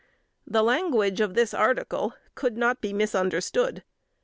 The language of this article could not be misunderstood.